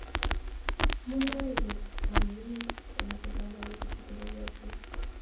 Mungaret ne ta komingin komachei panganutik che telelyotin